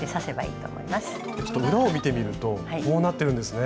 裏を見てみるとこうなってるんですね。